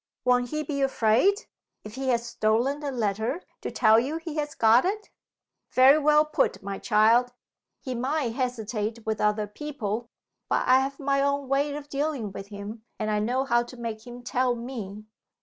"Won't he be afraid if he has stolen the letter to tell you he has got it?" "Very well put, my child. He might hesitate with other people. But I have my own way of dealing with him and I know how to make him tell Me.